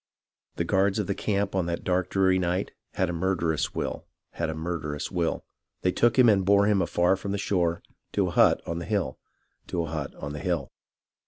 The guards of the camp on that dark dreary night, Had a murderous will ; had a murderous will. They took him and bore him afar from the shore To a hut on the hill ; to a hut on the hill.